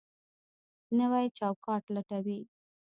نوی چوکاټ لټوي.